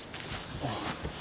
ああ。